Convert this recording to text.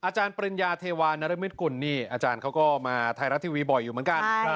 อาจารย์ปริญญาเทวานรมิตกุลนี่อาจารย์เขาก็มาไทยรัฐทีวีบ่อยอยู่เหมือนกัน